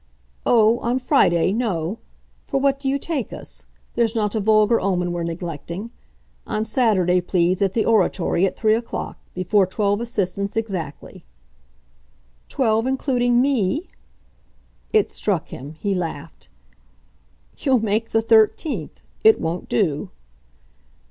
"Oh, on Friday, no! For what do you take us? There's not a vulgar omen we're neglecting. On Saturday, please, at the Oratory, at three o'clock before twelve assistants exactly." "Twelve including ME?" It struck him he laughed. "You'll make the thirteenth. It won't do!"